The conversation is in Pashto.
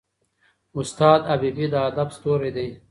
استاد حبیبي د ادب ستوری دی.